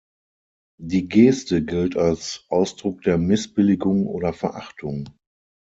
Die Geste gilt als „Ausdruck der Missbilligung oder Verachtung“.